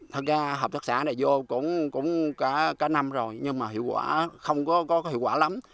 thật ra hợp tác xã này vô cũng cả năm rồi nhưng mà hiệu quả không có hiệu quả lắm